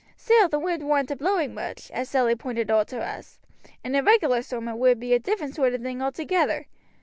Still the wind warn't a blowing much, as Sally pointed owt to us; in a regular storm it would be a different sort o' thing altogether.